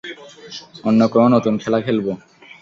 অন্য কোনো নতুন খেলা খেলবো।